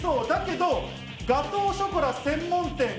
だけどガトーショコラ専門店。